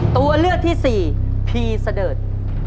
ตัวเลือกที่สี่พีเสดิร์ด